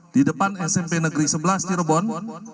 di depan smp negeri sebelas cirebon namun tidak tahu namanya